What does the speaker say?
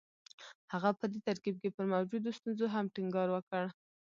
هغه په دې ترکيب کې پر موجودو ستونزو هم ټينګار وکړ.